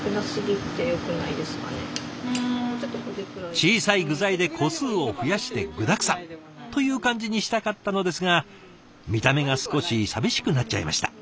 小さい具材で個数を増やして具だくさん！という感じにしたかったのですが見た目が少し寂しくなっちゃいました。